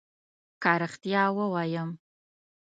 که ريښتيا ووايم